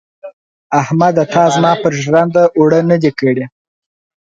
احمده تا زما پر ژرنده اوړه نه دې کړي.